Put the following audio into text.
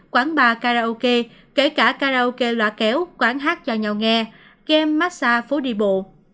quán bà karaoke kể cả karaoke lọa kéo quán hát cho nhau nghe game massage phố đi bộ